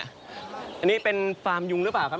อันนี้เป็นฟาร์มยุงหรือเปล่าครับ